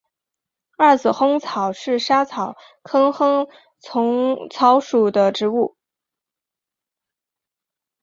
二籽薹草是莎草科薹草属的植物。